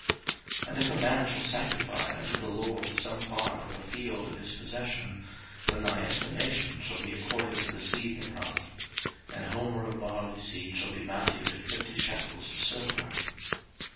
03:027:016 And if a man shall sanctify unto the LORD some part of a field of his possession, then thy estimation shall be according to the seed thereof: an homer of barley seed shall be valued at fifty shekels of silver.